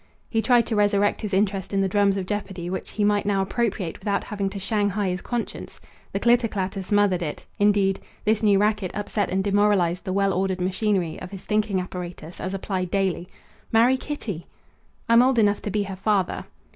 He tried to resurrect his interest in the drums of jeopardy, which he might now appropriate without having to shanghai his conscience. The clitter clatter smothered it; indeed, this new racket upset and demoralized the well ordered machinery of his thinking apparatus as applied daily. Marry Kitty! "I'm old enough to be her father."